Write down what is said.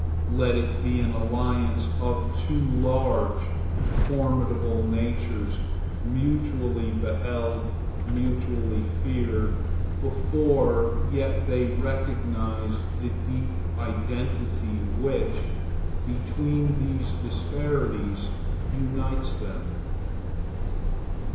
Let it be an alliance of two large, formidable natures, mutually beheld, mutually feared, before yet they recognize the deep identity which, beneath these disparities, unites them.